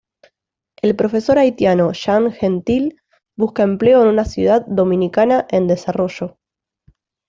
El profesor haitiano Jean Gentil busca empleo en una ciudad dominicana en desarrollo.